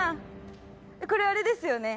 これあれですよね？